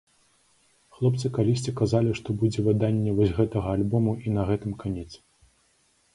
Хлопцы калісьці казалі, што будзе выданне вось гэтага альбому і на гэтым канец.